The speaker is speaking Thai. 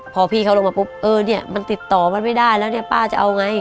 พอพี่เขาลงมาปุ๊บเออเนี่ยมันติดต่อมันไม่ได้แล้วเนี่ยป้าจะเอาไง